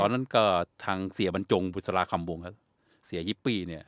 นั้นก็ทางเสียบรรจงบุษราคำวงครับเสียยิปปี้เนี่ย